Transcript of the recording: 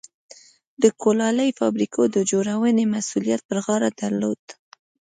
د کولالۍ فابریکو د جوړونې مسوولیت پر غاړه درلود.